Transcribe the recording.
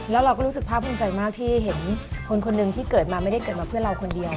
แล้วเราก็รู้สึกภาพภูมิใจมากที่เห็นคนคนหนึ่งที่เกิดมาไม่ได้เกิดมาเพื่อเราคนเดียว